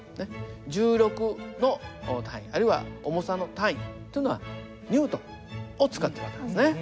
「重力」の単位あるいは「重さ」の単位というのはニュートンを使ってる訳なんですね。